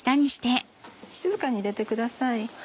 静かに入れてください。